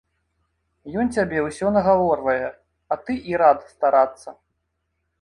Ён цябе ўсё нагаворвае, а ты і рад старацца.